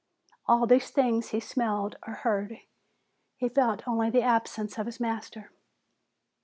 All these things he smelled or heard. He felt only the absence of his master.